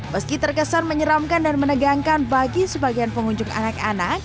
meski terkesan menyeramkan dan menegangkan bagi sebagian pengunjung anak anak